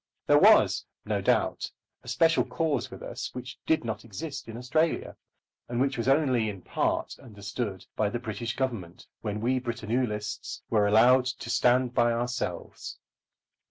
There was, no doubt, a special cause with us which did not exist in Australia, and which was only, in part, understood by the British Government when we Britannulists were allowed to stand by ourselves.